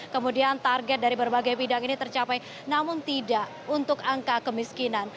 kemudian target dari berbagai bidang ini tercapai namun tidak untuk angka kemiskinan